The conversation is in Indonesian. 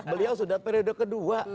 beliau sudah periode kedua